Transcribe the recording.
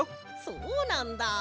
そうなんだ。